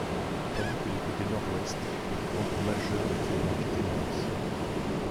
Tandis que du côté Nord-Ouest, le plan d’eau majeur est le lac Evans.